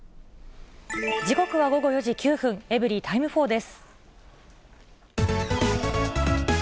時刻は午後４時９分、エブリィタイム４です。